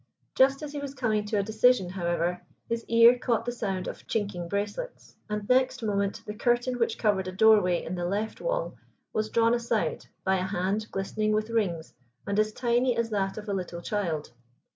Just as he was coming to a decision however, his ear caught the sound of chinking bracelets, and next moment the curtain which covered a doorway in the left wall was drawn aside by a hand glistening with rings and as tiny as that of a little child.